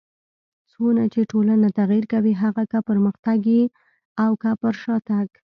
څونه چي ټولنه تغير کوي؛ هغه که پرمختګ يي او که پر شاتګ.